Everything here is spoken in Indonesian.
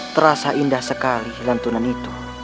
terasa indah sekali lantunan itu